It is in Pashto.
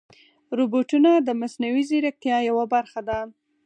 روبوټونه د مصنوعي ځیرکتیا یوه برخه ده.